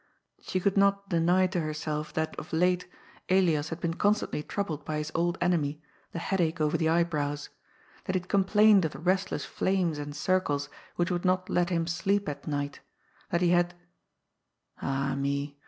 She could not deny to herself that of late Elias had been constantly troubled by his old enemy, the headache over the eyebrows ; that he had complained of the restless flames and circles which would not let him sleep at night ; that he had Ah me